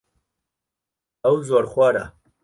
ئەو زۆرخۆرە.